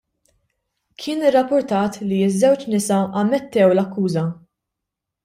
Kien irrapurtat li ż-żewġ nisa ammettew l-akkuża.